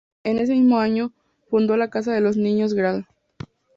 En ese mismo año fundó la Casa de los Niños Gral.